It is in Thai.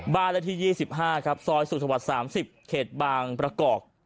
บ้านเลขที่๒๕ครับซอยสุขวัด๓๐